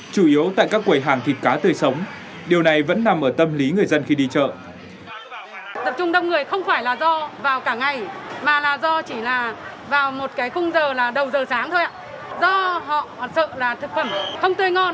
chủ yếu tại các quầy hàng thịt cá tươi sống điều này vẫn nằm ở tâm lý người dân khi đi chợ